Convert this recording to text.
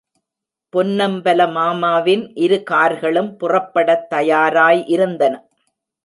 பொன்னம்பலமாமாவின் இரு கார்களும் புறப்படத் தயாராய் இருந்தன.